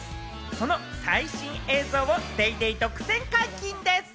その最新映像を『ＤａｙＤａｙ．』独占解禁です。